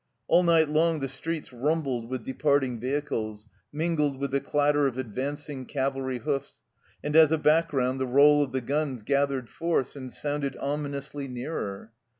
All night long the streets rumbled with departing vehicles, mingled with the clatter of advancing cavalry hoofs, and as a background the roll of the guns gathered force and sounded ominously nearer.